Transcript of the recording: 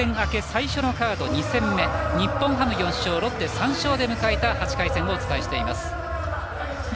最初のカード２戦目日本ハム４勝、ロッテ３勝で迎えた８回戦をお伝えしています。